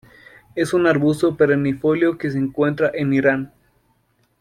Es un arbusto perennifolio que se encuentra en Irán.